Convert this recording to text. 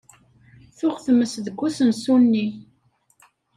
Tuɣ tmest deg usensu-nni.